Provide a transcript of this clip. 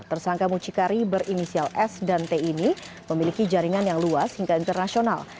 tersangka mucikari berinisial s dan t ini memiliki jaringan yang luas hingga internasional